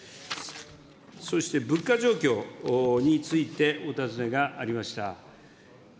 そして物価状況についてお尋ねがありました。